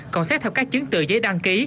còn xét theo các chứng tự giấy đăng ký